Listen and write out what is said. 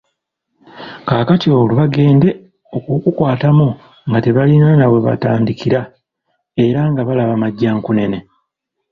Kaakati olwo bagende okukukwatamo nga tebalina nawebatandikira, era nga balaba "majjankunene!